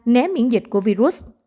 né miễn dịch của virus